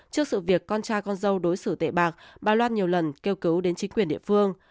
trước sự việc con trai con dâu đối xử tệ bạc bà loan nhiều lần kêu cứu đến chính quyền địa phương